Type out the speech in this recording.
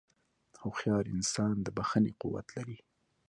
هوښیار انسان د بښنې قوت لري.